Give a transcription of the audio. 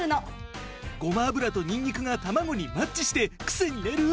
ごま油とにんにくが卵にマッチしてクセになる！